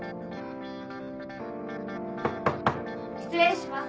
・・失礼します。